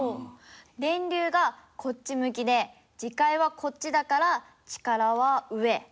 電流がこっち向きで磁界はこっちだから力は上。